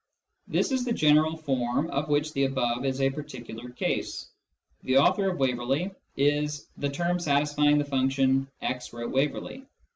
This is the general form of which the above is a par ticular case. " The author of Waverley " is " the term satisfying the function ' x wrote Waverley.'